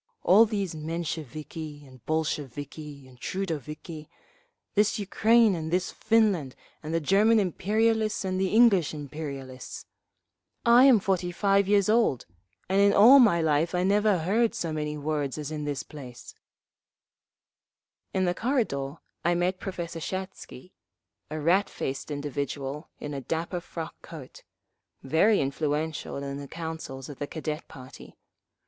All these Mensheviki and Bolsheviki and Trudoviki…. This Ukraine and this Finland and the German imperialists and the English imperialists. I am forty five years old, and in all my life I never heard so many words as in this place…." In the corridor I met Professor Shatsky, a rat faced individual in a dapper frock coat, very influential in the councils of the Cadet party.